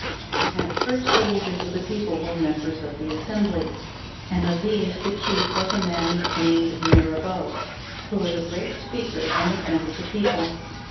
At first the leaders of the people were members of the Assembly, and of these the chief was a man named Mira beau, who was a great speaker and a friend of the people.